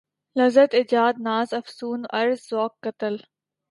لذت ایجاد ناز افسون عرض ذوق قتل